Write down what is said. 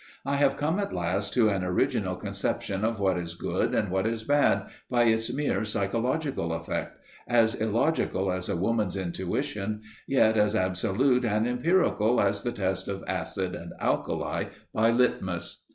I have come at last to an original conception of what is good and what is bad by its mere psychological effect, as illogical as a woman's intuition, yet as absolute and empirical as the test of acid and alkali by litmus.